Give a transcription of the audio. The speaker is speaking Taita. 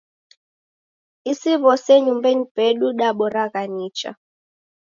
Isi w'ose nyumbenyi pedu daboragha nicha.